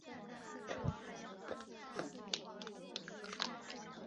规划路线起于高铁路和重和路口路口。